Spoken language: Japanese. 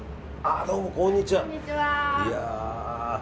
どうもこんにちは。